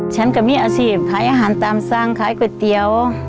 ฉันก็มีอาชีพขายอาหารตามสั่งขายก๋วยเตี๋ยว